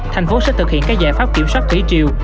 thành phố sẽ thực hiện các giải pháp kiểm soát thủy triều